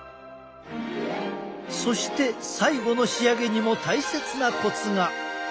そして最後の仕上げにも大切なコツが。